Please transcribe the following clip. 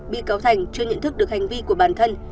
bị cáo thành chưa nhận thức được hành vi của bản thân